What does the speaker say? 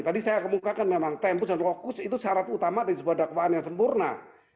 tadi saya kemukakan memang tempus dan fokus itu syarat utama dari sebuah dakwaan yang sempurna